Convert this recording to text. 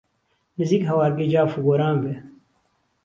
نزیک هەوارگەی جاف و گۆران بێ